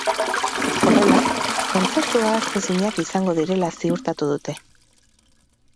Horrela, kontzertu ahaztezinak izango direla ziurtatu dute.